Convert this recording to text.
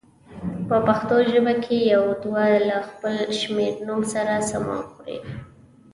په پښتو ژبه کې یو او دوه له خپل شمېرنوم سره سمون خوري.